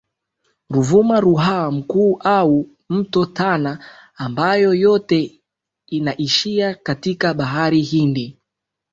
Ruvuma Ruaha Mkuu au mto Tana ambayo yote inaishia katika Bahari Hindi